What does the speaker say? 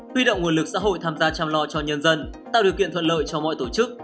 huy động nguồn lực xã hội tham gia chăm lo cho nhân dân tạo điều kiện thuận lợi cho mọi tổ chức